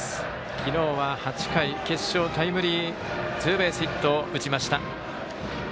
昨日は８回決勝タイムリーツーベースヒット打ちました。